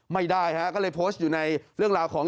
ไม่ได้ฮะก็เลยโพสต์อยู่ในเรื่องราวของ